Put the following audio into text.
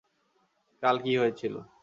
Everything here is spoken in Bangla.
কাল কী হয়েছিল?